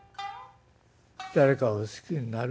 誰かを好きになる。